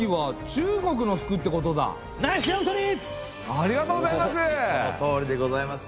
ありがとうございます。